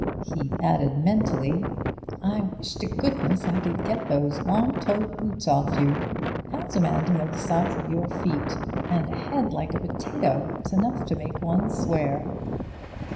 He added mentally: "I wish to goodness I could get those long toed boots off you. How's a man to know the size of your feet? And a head like a potato. It's enough to make one swear."